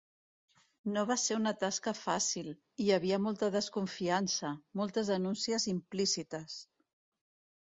No va ser una tasca fàcil: hi havia ‘molta desconfiança’, ‘moltes denúncies implícites’.